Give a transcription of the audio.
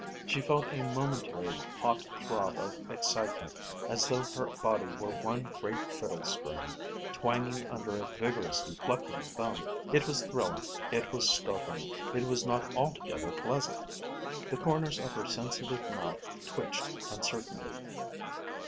She felt a momentary hot throb of excitement, as though her body were one great fiddle string, twanging under a vigorously plucking thumb. It was thrilling, it was startling, it was not altogether pleasant. The corners of her sensitive mouth twitched uncertainly.